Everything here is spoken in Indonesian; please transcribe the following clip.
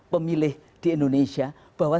pemilih di indonesia bahwa